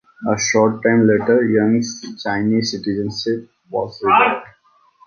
A short time later, Yang's Chinese citizenship was revoked.